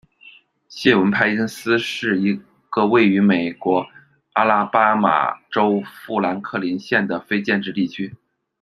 谢文派因斯是一个位于美国阿拉巴马州富兰克林县的非建制地区。